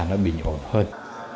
nó bị nhộn hơn